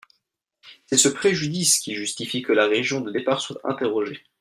C’est ce préjudice qui justifie que la région de départ soit interrogée.